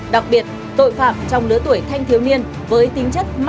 đặc biệt tội phạm trong lứa tuổi thanh thiếu niên với tính chất manh động liều lực